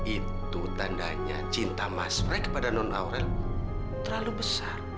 itu tandanya cinta mas pray kepada non aurel terlalu besar